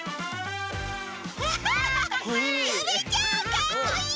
かっこいい！